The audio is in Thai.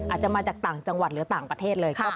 อาจจะมาจากต่างจังหวัดหรือต่างประเทศเลย